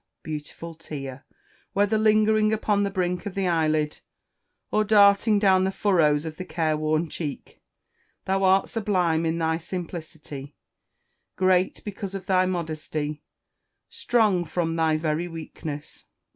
Beautiful Tear! whether lingering upon the brink of the eyelid, or darting down the furrows of the care worn cheek thou art sublime in thy simplicity great, because of thy modesty strong, from thy very weakness.